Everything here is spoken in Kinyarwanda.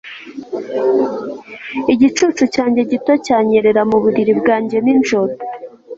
igicucu cyanjye gito cyanyerera mu buriri bwanjye nijoro